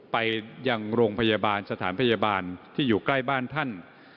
ไปยังโรงพยาบาลสถานพยาบาลที่อยู่ใกล้บ้านท่าน